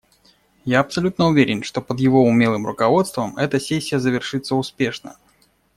Я абсолютно уверен, что под его умелым руководством эта сессия завершится успешно.